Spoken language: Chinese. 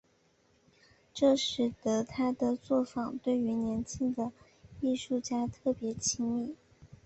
这使得他的作坊对于年轻的艺术家特别亲密。